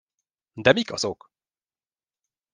De mik azok?